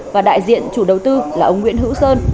và đại diện chủ đầu tư là ông nguyễn hữu sơn